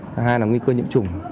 thứ hai là nguy cơ nhiễm chủng